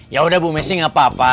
ya udah bu messi gak apa apa